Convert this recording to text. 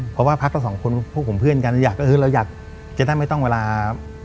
เพราะว่าพักก็๒คนพวกผมเพื่อนกันเราอยากจะได้ไม่ต้องเวลา